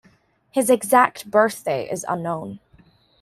His exact birthday is unknown.